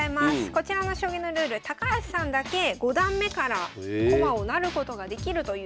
こちらの将棋のルール高橋さんだけ五段目から駒を成ることができるというルールです。